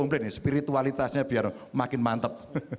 saya berpikir spiritualitasnya biar makin mantap